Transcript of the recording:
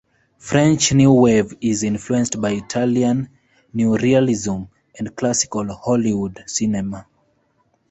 French New Wave is influenced by Italian Neorealism and classical Hollywood cinema.